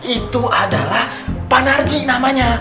itu adalah pak narji namanya